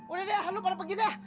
udah deh lo pada pergi dah